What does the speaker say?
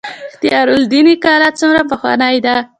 اختیار الدین کلا څومره پخوانۍ ده؟